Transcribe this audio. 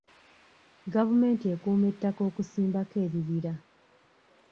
Gavumenti ekuuma ettaka okusimbako ebibira.